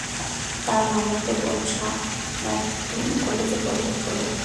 তার মামাতো বোন শাহ মখদুম কলেজে পড়ে।